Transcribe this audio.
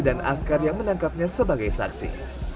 dan askar yang menangkapnya sebagai saksi